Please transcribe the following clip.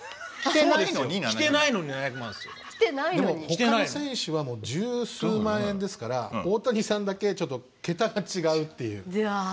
他の選手は十数万円ですから大谷さんだけ桁が違うという。